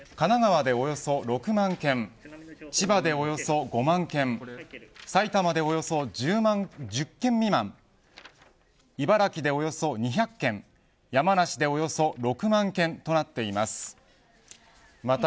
山梨でおよそ６万軒となっています。